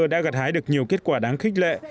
đã gặt hái được nhiều kết quả đáng khích lệ